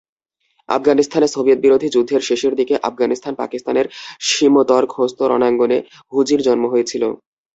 আফগানিস্তানে সোভিয়েতবিরোধী যুদ্ধের শেষের দিকে আফগানিস্তান-পাকিস্তান সীমােতর খোস্ত রণাঙ্গনে হুজির জন্ম হয়েছিল।